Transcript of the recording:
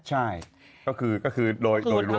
ใช่คือก็คือโดยรวมกัน